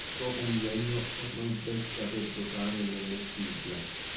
Dopo un biennio, tornò in Svezia per giocare nel Sylvia.